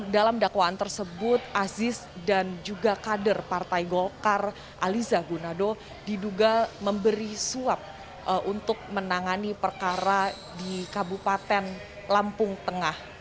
dalam dakwaan tersebut aziz dan juga kader partai golkar aliza gunado diduga memberi suap untuk menangani perkara di kabupaten lampung tengah